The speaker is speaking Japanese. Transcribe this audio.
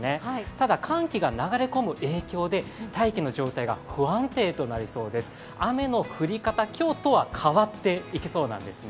ただ寒気が流れ込む影響で大気の状態が不安定となりそうです、雨の降り方今日とは変わっていきそうなんですね。